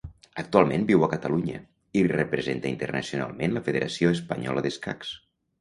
Actualment viu a Catalunya, i representa internacionalment la Federació Espanyola d'Escacs.